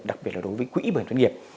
đặc biệt là đối với quỹ bảo hiểm thất nghiệp